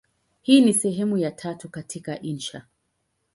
Hii ni sehemu ya tatu katika insha.